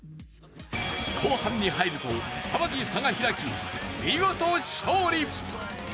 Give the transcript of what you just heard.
後半に入ると更に差が開き見事勝利。